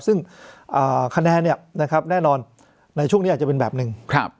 ซึ่งคะแนนแน่นอนในช่วงนี้อาจจะเป็นแบบหนึ่ง